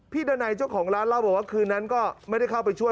ดันัยเจ้าของร้านเล่าบอกว่าคืนนั้นก็ไม่ได้เข้าไปช่วย